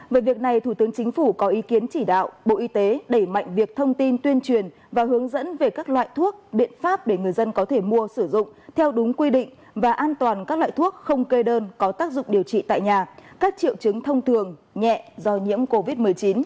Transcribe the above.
về việc này thủ tướng chính phủ có ý kiến chỉ đạo bộ y tế đẩy mạnh việc thông tin tuyên truyền và hướng dẫn về các loại thuốc biện pháp để người dân có thể mua sử dụng theo đúng quy định và an toàn các loại thuốc không kê đơn có tác dụng điều trị tại nhà các triệu chứng thông thường nhẹ do nhiễm covid một mươi chín